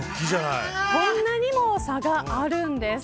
こんなにも差があるんです。